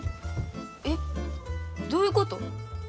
えどういうこと？